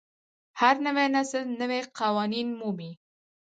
هر نوی نسل نوي قوانین مومي.